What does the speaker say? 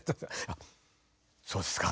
あっそうですか。